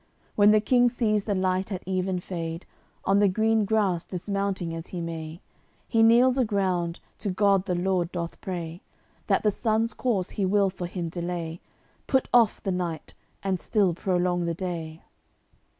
When the King sees the light at even fade, On the green grass dismounting as he may, He kneels aground, to God the Lord doth pray That the sun's course He will for him delay, Put off the night, and still prolong the day.